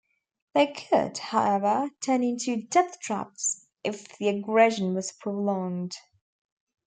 They could, however, turn into death-traps if the aggression was prolonged.